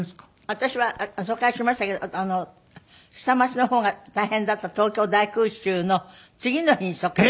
私は疎開しましたけど下町の方が大変だった東京大空襲の次の日に疎開したんです。